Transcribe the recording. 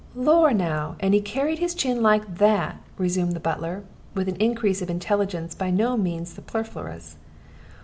"Lor', now, and he carried his chin like that!" resumed the butler, with an increase of intelligence by no means superfluous.